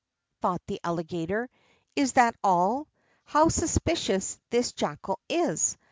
thought the Alligator, "is that all? How suspicious this Jackal is!